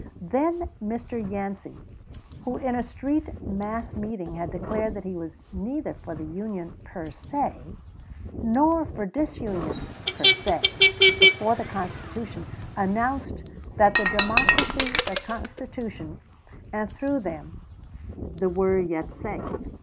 Then Mr. Yancey, who in a street mass meeting had declared that he was neither for the Union per se nor for disunion per se, but for the Constitution, announced that the Democracy, the Constitution, and, through them, the were yet safe.